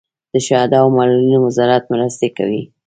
د شهدا او معلولینو وزارت مرستې کوي